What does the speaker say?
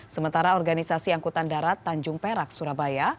sementara organisasi angkutan darat tanjung perak surabaya